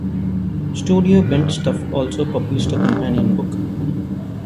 Studio Bent Stuff also published a companion book.